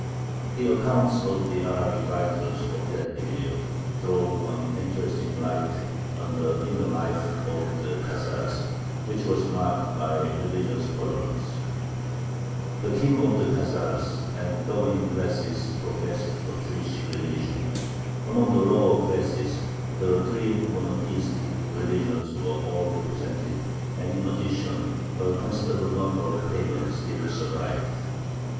The accounts of the Arabic writers of that period throw an interesting light on the inner life of the Khazars, which was marked by religious tolerance. The king of the Khazars and the governing classes professed the Jewish religion. Among the lower classes the three monotheistic religions were all represented, and in addition a considerable number of pagans still survived.